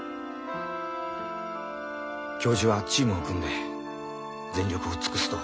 教授はチームを組んで全力を尽くすと申しておりました。